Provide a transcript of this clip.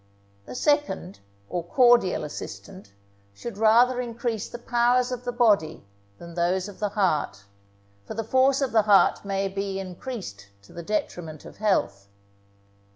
The second, or cordial assistant, should rather increase the powers of the body than those of the heart; for the force of the heart may be increased to the detriment of health.